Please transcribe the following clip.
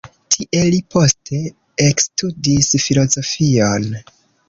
Tie li poste ekstudis filozofion.